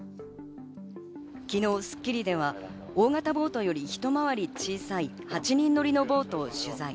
昨日『スッキリ』では大型ボートよりひと回り小さい８人乗りのボートを取材。